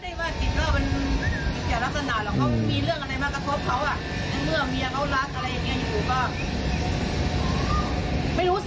แม่บอกเนี้ยที่ถูกลูกชายเอาสักเกอบเบอตีหัวเนี้ย